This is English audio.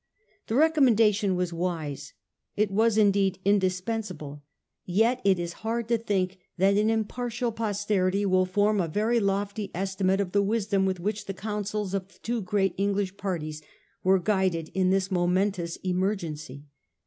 The recommendation was wise. It was, indeed, indispensable. Yet it is hard to think that an im partial posterity will form a very lofty estimate of the wisdom with which the counsels of the two great English parties were guided in this momentous emer gency.